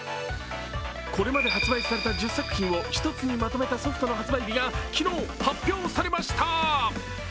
これまで発売された１０作品を１つにまとめたソフトの発売日が昨日発表されました。